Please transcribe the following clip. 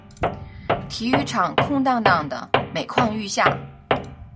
体育场空荡荡的，每况愈下。